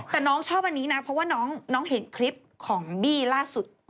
แต่น้องชอบอันนี้นะเพราะว่าน้องเห็นคลิปของบี้ล่าสุด